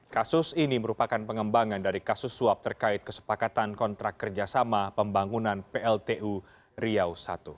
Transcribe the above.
kasus ini merupakan pengembangan dari kasus suap terkait kesepakatan kontrak kerjasama pembangunan pltu riau i